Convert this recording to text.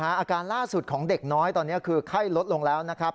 อาการล่าสุดของเด็กน้อยตอนนี้คือไข้ลดลงแล้วนะครับ